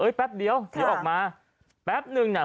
แป๊บเดียวเดี๋ยวออกมาแป๊บนึงเนี่ย